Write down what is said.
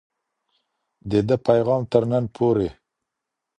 د ده پیغام تر نن پوري